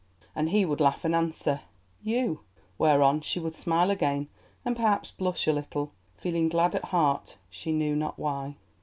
And he would laugh and answer "You," whereon she would smile again and perhaps blush a little, feeling glad at heart, she knew not why.